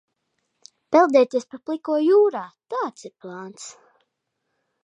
Peldēties pa pliko jūrā, tāds ir plāns!